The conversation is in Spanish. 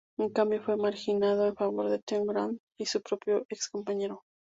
En cambio, fue marginado en favor de Ted Grant y su propio ex compañero.